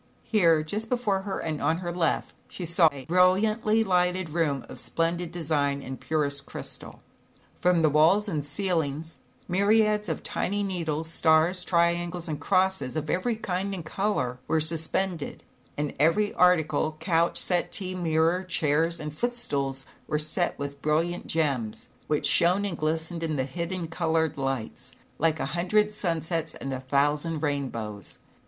Here, just before her and on her left, she saw a brilliantly lighted room of splendid design and purest crystal. From the walls and ceiling, myriads of tiny needles, stars, triangles and crosses ot every kind and color, were suspended and every article, couch, settee, mirror, chairs and footstools were set with brilliant gems, which shone and glistened in the hidden colored lights like a hundred sunsets and a thousand rainbows.